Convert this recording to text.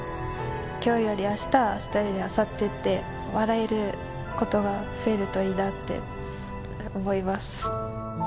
きょうよりあした、あしたよりあさってって、笑えることが増えるといいなって思います。